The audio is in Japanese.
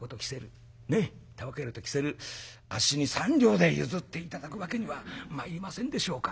ねっ煙草入れときせるあっしに３両で譲って頂くわけにはまいりませんでしょうか？」。